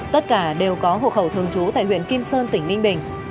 tất cả đều có hộ khẩu thường trú tại huyện kim sơn tỉnh ninh bình